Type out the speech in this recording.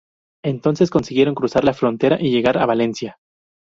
Entonces consiguieron cruzar la frontera y llegar a Valencia.